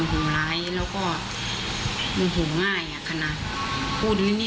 มงหูหลายแล้วก็มงหูง่ายอะขนาด